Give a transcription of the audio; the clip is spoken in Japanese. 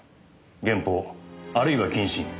減俸あるいは謹慎。